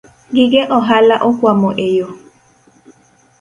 Gige ohala okwamo eyo